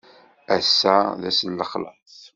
Ass-a d ass n lexlaṣ?